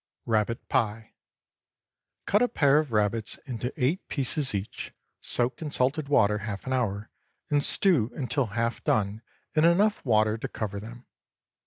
RABBIT PIE. Cut a pair of rabbits into eight pieces each, soak in salted water half an hour, and stew until half done in enough water to cover them.